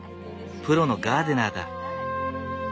プロのガーデナーだ。